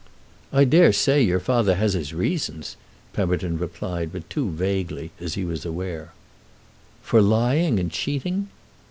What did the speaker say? "I dare say your father has his reasons," Pemberton replied, but too vaguely, as he was aware. "For lying and cheating?"